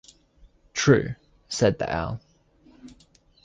“True,” said the owl.